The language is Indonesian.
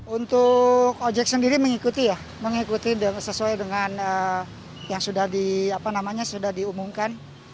untuk ojek sendiri mengikuti ya mengikuti sesuai dengan yang sudah diumumkan